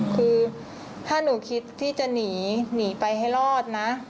คือถ้าหนูคิดที่จะหนีหนีไปให้รอดนะ